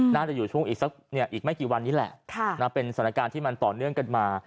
น่าจะอยู่ช่วงอีกสักอีกไม่กี่วันนี้แหละเป็นสถานการณ์ที่มันต่อเนื่องกันมา